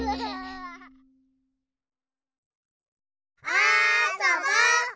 あそぼ！